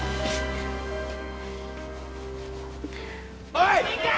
おい！